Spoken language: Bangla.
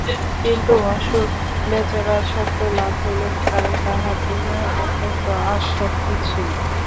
কিন্তু অসুর-বেচারার সত্যলাভ হইল না কারণ তাহার দেহে অত্যন্ত আসক্তি ছিল।